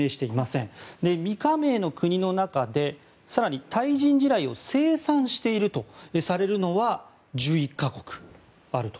未加盟の国の中で更に対人地雷を生産しているとされるのは１１か国あると。